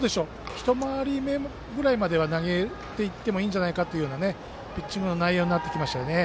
１回り目ぐらいまでは投げていってもいいんじゃないかというピッチングの内容になってきましたよね。